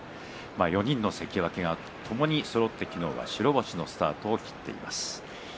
４人の関脇がともにそろって昨日は白星のスタートを切っています。